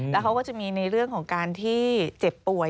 แล้วเขาก็จะมีในเรื่องของการที่เจ็บป่วย